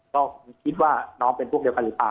ก็คิดว่าน้องเป็นพวกเดียวกันหรือเปล่า